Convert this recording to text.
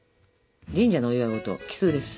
神社のお祝い事奇数です。